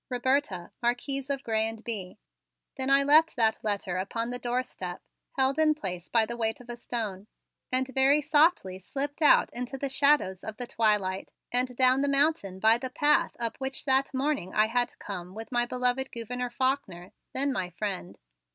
Roberta, Marquise of Grez and Bye." Then I left that letter upon the doorstep, held in place by the weight of a stone, and very softly slipped out into the shadows of the twilight and down the mountain by the path up which that morning I had come with my beloved Gouverneur Faulkner, then my friend.